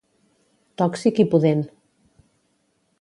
Tòxic i pudent.